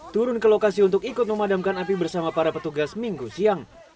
turun ke lokasi untuk ikut memadamkan api bersama para petugas minggu siang